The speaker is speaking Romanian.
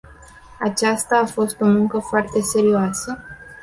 Aceasta a fost o muncă foarte serioasă.